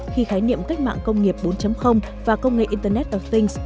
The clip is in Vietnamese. khi khái niệm cách mạng công nghiệp bốn và công nghệ internet of things